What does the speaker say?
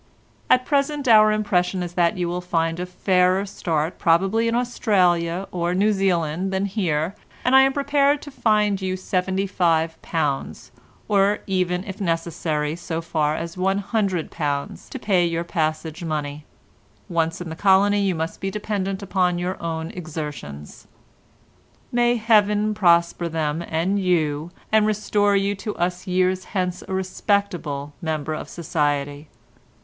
"At present our impression is that you will find a fairer start probably in Australia or New Zealand than here, and I am prepared to find you £75 or even if necessary so far as £100 to pay your passage money. Once in the colony you must be dependent upon your own exertions. "May Heaven prosper them and you, and restore you to us years hence a respected member of society.